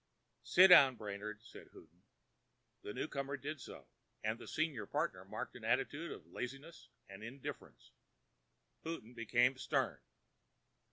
"Sit down, Brainard," said Houghton. The newcomer did so, and the senior partner marked an attitude of laziness and indifference. Houghton became stern.